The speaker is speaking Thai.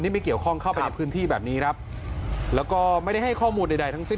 ที่มีเกี่ยวข้องเข้าไปในพื้นที่แบบนี้ครับไม่ให้ข้อมูลใดทั้งสิ้น